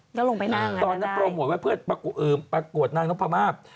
แล้วลงไปนั่งกันก็ได้ตอนนั้นปรโมทบอกว่าเพื่อประกวดนางนุภามาศ